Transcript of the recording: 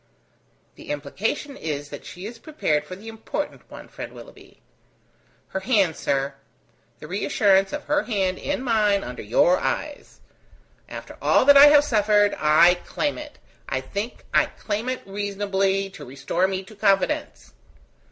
"The implication is, that she is prepared for the important one, friend Willoughby." "Her hand, sir; the reassurance of her hand in mine under your eyes: after all that I have suffered, I claim it, I think I claim it reasonably, to restore me to confidence."